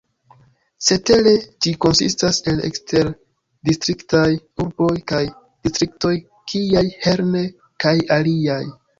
Cetere ĝi konsistas el eksterdistriktaj urboj kaj distriktoj, kiaj Herne kaj aliaj.